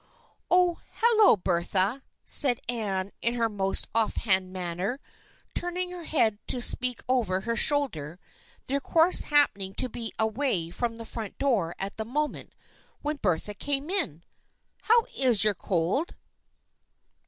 " Oh, hallo, Bertha !" said Anne in her most off hand manner, turning her head to speak over her shoulder, their course happening to be away from the front door at the moment when Bertha came in. " How is your cold